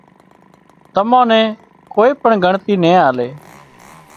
تمان نين ڪوئي پڻ ڳڻتي نين آلي